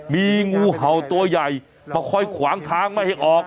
มีงูเห่าตัวใหญ่มาคอยขวางทางไม่ให้ออก